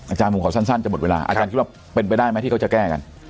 อาจารย์ผมขอสั้นจะหมดเวลาอาจารย์คิดว่าเป็นไปได้ไหมที่เขาจะแก้กัน